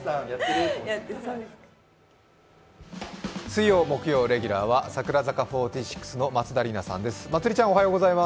水曜、木曜レギュラーは櫻坂４６の松田里奈さんです。